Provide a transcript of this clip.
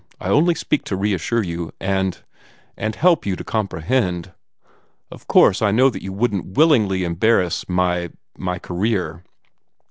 I only speak to reassure you and and help you to comprehend. Of course I know that you wouldn't willingly embarrass my my career."